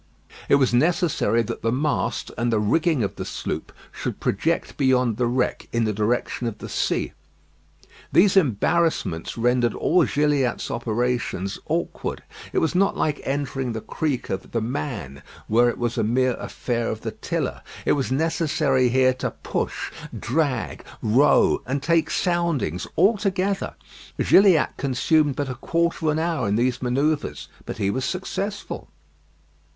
It was necessary that the mast and the ringing of the sloop should project beyond the wreck in the direction of the sea. These embarrassments rendered all Gilliatt's operations awkward. It was not like entering the creek of "The Man," where it was a mere affair of the tiller. It was necessary here to push, drag, row, and take soundings all together. Gilliatt consumed but a quarter of an hour in these manoeuvres; but he was successful.